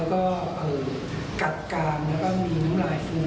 ก็น่าจะขาดใจตั้งแต่อยู่บนเวทีแล้ว